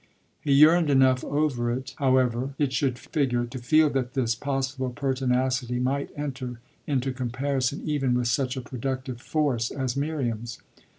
He yearned enough over it, however it should figure, to feel that this possible pertinacity might enter into comparison even with such a productive force as Miriam's.